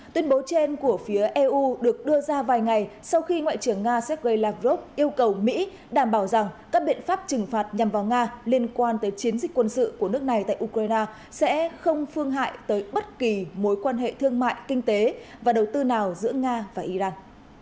tuyên bố trên của phía eu được đưa ra vài ngày sau khi ngoại trưởng nga sergei lavrov yêu cầu mỹ đảm bảo rằng các biện pháp trừng phạt nhằm vào nga liên quan tới chiến dịch quân sự của nước này tại ukraine sẽ không phương hại tới bất kỳ mối quan hệ thương mại kinh tế và đầu tư nào giữa nga và iran